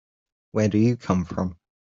Where do you come from?